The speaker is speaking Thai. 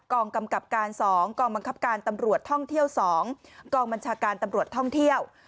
กองกำกับการ๒กองบังคับการตำรวจท่องเที่ยว๒กองบัญชาการตำรวจท่องเที่ยว